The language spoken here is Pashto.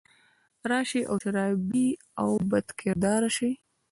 راشي او شرابي او بدکرداره شي